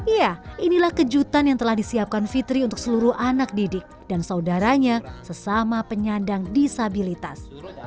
iya inilah kejutan yang telah disiapkan fitri untuk seluruh anak didik dan saudaranya sesama penyandang disabilitas